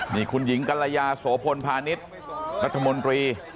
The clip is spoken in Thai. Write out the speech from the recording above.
นี่คุณหญิงกัลยาโสพลพาณิชย์รัฐมนตรี